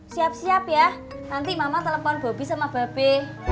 siap siap ya nanti mama telepon bobi sama bebe